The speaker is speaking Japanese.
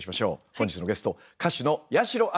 本日のゲスト歌手の八代亜紀さんです。